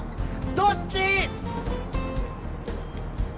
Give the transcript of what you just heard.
どっち？